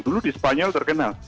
dulu di spanyol terkenal